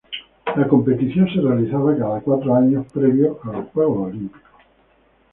La competición se realizaba cada cuatro años, previo a los Juegos Olímpicos.